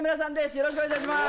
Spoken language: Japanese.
よろしくお願いします